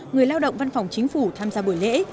người lao động văn phòng chính phủ tham gia buổi lễ